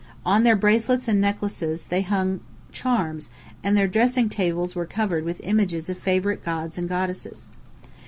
On their bracelets and necklaces they hung charms, and their dressing tables were covered with images of favourite gods and goddesses.